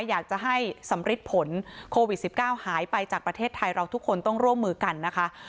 อยากจะให้สำริดผลโควิด๑๙หายไปจากประเทศไทยเราทุกคนต้องร่วมมือกันนะคะ